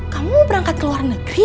kamu berangkat ke luar negeri